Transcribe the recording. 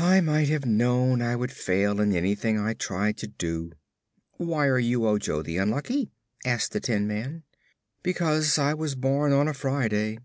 "I might have known I would fail in anything I tried to do." "Why are you Ojo the Unlucky?" asked the tin man. "Because I was born on a Friday."